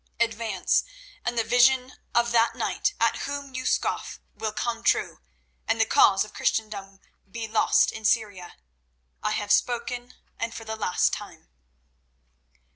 Advance and the vision of that knight at whom you scoff will come true, and the cause of Christendom be lost in Syria. I have spoken, and for the last time."